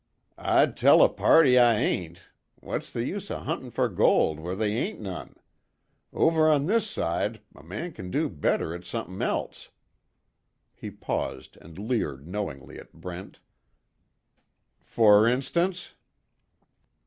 "I'd tell a party I hain't! What's the use of huntin' fer gold where they hain't none? Over on this side a man c'n do better at somethin' else." He paused and leered knowingly at Brent. "For instance?"